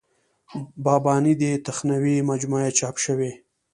بیاباني دې تخنوي مجموعه یې چاپ شوې.